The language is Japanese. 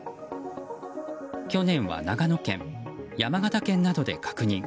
去年は長野県、山形県などで確認。